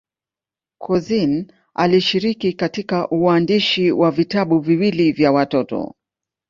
Couzyn alishiriki katika uandishi wa vitabu viwili vya watoto.